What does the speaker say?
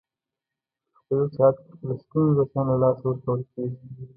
خو په یو ساعت کې په لسګونو دوستان له لاسه ورکول کېږي.